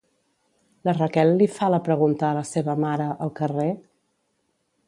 La Raquel li fa la pregunta a la seva mare al carrer?